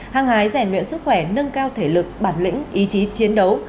hăng hái rẻ nguyện sức khỏe nâng cao thể lực bản lĩnh ý chí chiến đấu